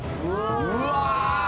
「うわ！」